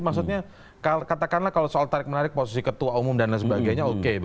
maksudnya katakanlah kalau soal tarik menarik posisi ketua umum dan lain sebagainya oke